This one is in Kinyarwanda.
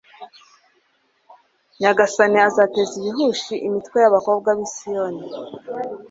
nyagasani azateza ibihushi imitwe y'abakobwa b'i siyoni